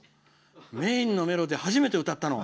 メインのメロディーを初めて歌ったの。